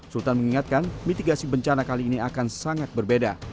sultan mengingatkan mitigasi bencana kali ini akan sangat berbeda